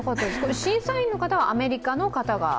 審査員の方はアメリカの方が？